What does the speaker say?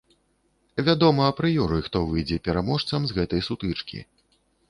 Вядома апрыёры, хто выйдзе пераможцам з гэтай сутычкі.